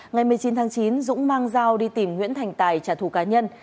ngày một mươi chín tháng chín dũng mang dao đi tìm nguyễn thành tài trả thù cá nhân